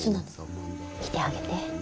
見てあげて。